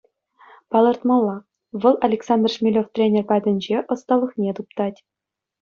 Палӑртмалла: вӑл Александр Шмелев тренер патӗнче ӑсталӑхне туптать.